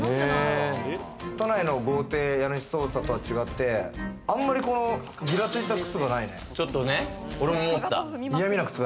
都内の豪邸家主捜査とは違って、あんまり、ギラらついた靴がないね。